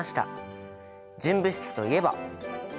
純物質といえば。